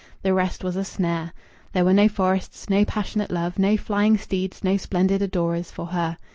The rest was a snare. There were no forests, no passionate love, no flying steeds, no splendid adorers for her.